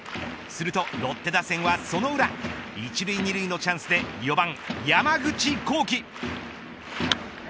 すると、ロッテ打線はその裏１塁２塁のチャンスで４番山口航輝。